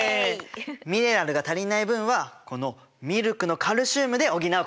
ミネラルが足りない分はこのミルクのカルシウムで補うことにするよ。